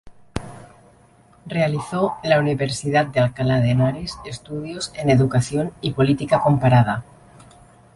Realizó en la Universidad de Alcalá de Henares estudios en Educación y Política Comparada.